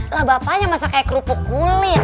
lah bapaknya masak kayak kerupuk kulit